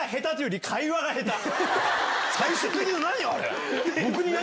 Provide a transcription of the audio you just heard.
最終的に何？